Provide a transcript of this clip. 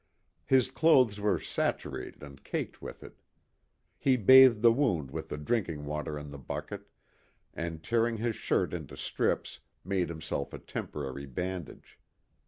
His clothes were saturated and caked with it. He bathed the wound with the drinking water in the bucket, and tearing his shirt into strips made himself a temporary bandage.